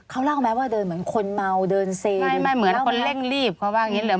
เขาเล่าไหมว่าเดินเหมือนคนเมาเดินเสร็จ